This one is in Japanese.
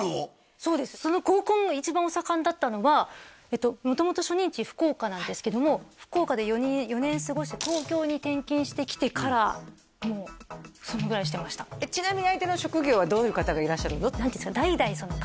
そうですその合コンが一番お盛んだったのは元々初任地福岡なんですけども福岡で４年過ごして東京に転勤してきてからもうそのぐらいしてましたえっちなみに相手の職業はどういう方がいらっしゃるの？